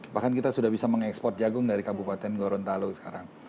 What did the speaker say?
bahkan kita sudah bisa mengekspor jagung dari kabupaten gorontalo sekarang